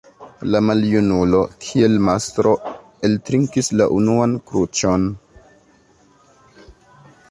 La maljunulo, kiel mastro, eltrinkis la unuan kruĉon.